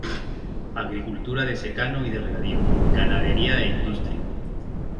Agricultura de secano y de regadío, ganadería e industria.